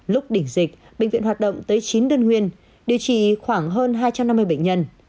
lúc đỉnh dịch bệnh viện hoạt động tới chín đơn nguyên điều trị khoảng hơn hai trăm năm mươi bệnh nhân